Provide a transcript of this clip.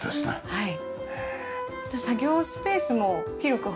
はい。